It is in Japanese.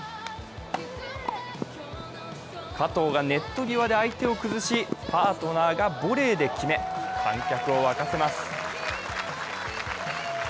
加藤がネット際で相手を崩し、パートナーがボレーで決め、観客を沸かせます。